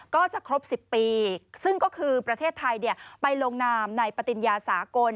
ก็จะครบ๑๐ปีซึ่งก็คือประเทศไทยไปลงนามในปฏิญญาสากล